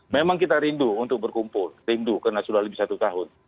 memang kita rindu untuk berkumpul rindu karena sudah lebih satu tahun